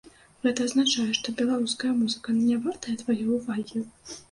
Гэта азначае, што беларуская музыка нявартая тваёй увагі?